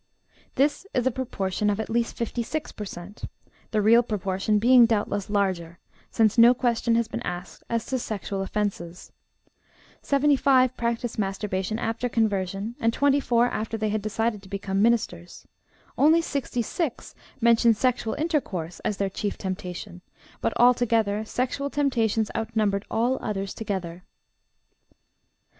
This is a proportion of at least 56 per cent., the real proportion being doubtless larger, since no question had been asked as to sexual offenses; 75 practiced masturbation after conversion, and 24 after they had decided to become ministers; only 66 mentioned sexual intercourse as their chief temptation; but altogether sexual temptations outnumbered all others together.